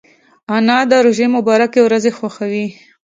انا د روژې مبارکې ورځې خوښوي